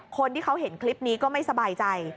คนที่เขาเห็นคลิปนี้ก็ไม่สบายใจ